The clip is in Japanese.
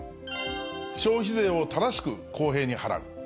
消費税を正しく公平に払う。